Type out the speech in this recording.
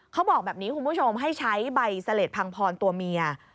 เขาบอกแบบนี้คุณผู้ชมให้ใช้ใบเสล็ดพังพรตัวเมีย